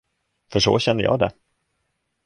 För så känner jag det.